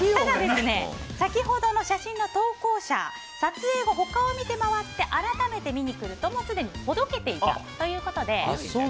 ただ、先ほどの写真の投稿者撮影後、他を見て回って改めて見にくるとすでにほどけていたということで。